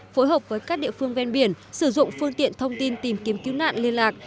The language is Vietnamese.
phối hợp với các địa phương ven biển sử dụng phương tiện thông tin tìm kiếm cứu nạn liên lạc